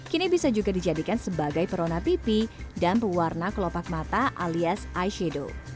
kini bisa juga dijadikan sebagai perona pipi dan pewarna kelopak mata alias eye shadow